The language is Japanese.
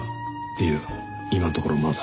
いや今のところまだ。